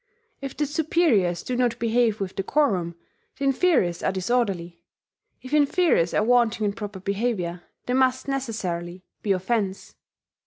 If the superiors do not behave with decorum, the inferiors are disorderly: if inferiors are wanting in proper behaviour, there must necessarily be offences.